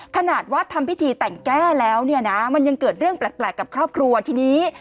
ขนาดว่าทำพิธีแต่งแก้แล้วเนี่ยนะมันยังเกิดเรื่องแปลกกับครอบครัวทีนี้